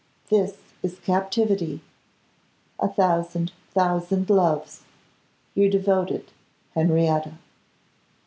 This is captivity. A thousand, thousand loves. Your devoted Henrietta.